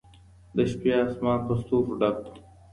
د شپې اسمان په ستورو ډک و.